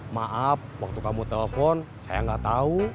maaf waktu kamu telepon saya gak tahu